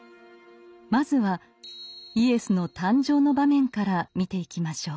まずはイエスの誕生の場面から見ていきましょう。